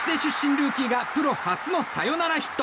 ルーキーがプロ初のサヨナラヒット。